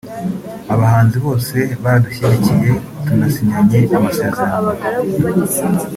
“Abahanzi bose baradushyigikiye twanasinyanye amasezerano